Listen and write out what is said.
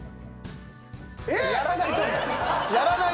えっ！？やらないと思う。